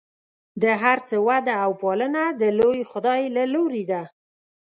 د هر څه وده او پالنه د لوی خدای له لورې ده.